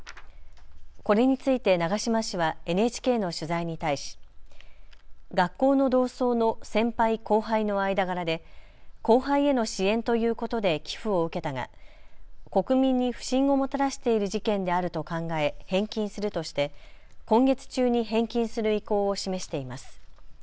これについて長島氏はＮＨＫの取材に対し学校の同窓の先輩・後輩の間柄で後輩への支援ということで寄付を受けたが国民に不信をもたらしている事件であると考え返金するとして今月中に返金する意向を示しています。